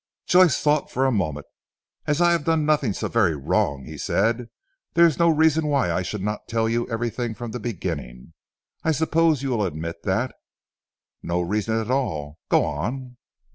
Joyce thought for a moment. "As I have done nothing so very wrong," he said, "there is no reason why I should not tell you everything from the beginning. I suppose you will admit that." "No reason at all. Go on."